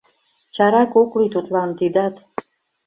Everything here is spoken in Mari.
Чарак ок лий тудлан тидат.